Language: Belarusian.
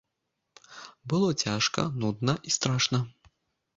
Было цяжка, нудна і страшна.